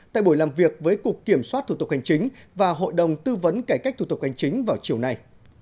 tại buổi làm việc với cục kiểm soát thủ tục hành chính và hội đồng tư vấn cải cách thủ tục hành chính vào chiều nay